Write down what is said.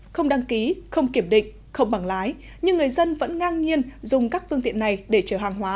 không đăng ký không kiểm định không bằng lái nhưng người dân vẫn ngang nhiên dùng các phương tiện này để chở hàng hóa